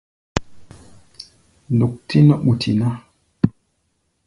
Duk-tí nɔ́ ɓuti ná.